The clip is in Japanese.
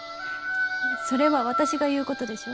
それは私が言うことでしょ？